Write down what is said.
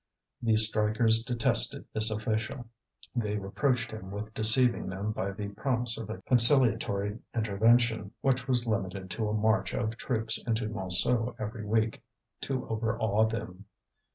The strikers detested this official; they reproached him with deceiving them by the promise of a conciliatory intervention, which was limited to a march of troops into Montsou every week, to overawe them.